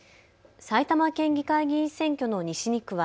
埼玉県議会議員選挙の西２区は